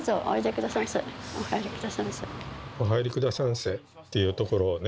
「お入りくださんせ」って言うところね